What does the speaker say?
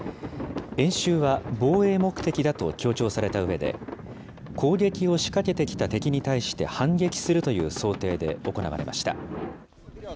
演習は防衛目的だと強調されたうえで、攻撃を仕掛けてきた敵に対して反撃するという想定で行われました。